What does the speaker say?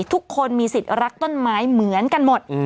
ทุกคนมีสิทธิ์รักต้นไม้เหมือนกันหมด